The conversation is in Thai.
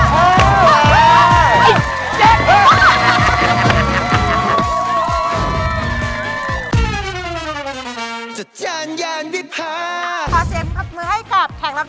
โหรายการดังมาก